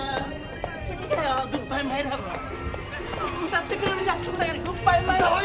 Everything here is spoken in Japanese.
歌ってくれる約束だよね